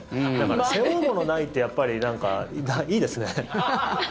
背負うものないってやっぱり、なんかいいですね。